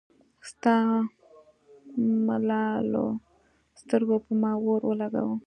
ستا ملالو سترګو پۀ ما اور اولګوو